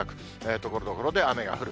ところどころで雨が降る。